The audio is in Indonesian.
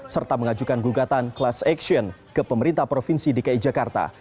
serta mengajukan gugatan class action ke pemerintah provinsi dki jakarta